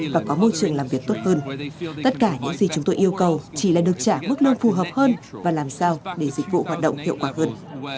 và có môi trường làm việc tốt hơn tất cả những gì chúng tôi yêu cầu chỉ là được trả mức lương phù hợp hơn và làm sao để dịch vụ hoạt động hiệu quả hơn